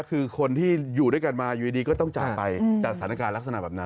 คือคนที่อยู่ด้วยกันมาอยู่ดีก็ต้องจากไป